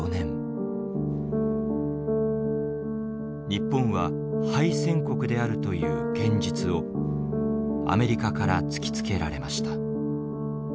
日本は敗戦国であるという現実をアメリカから突きつけられました。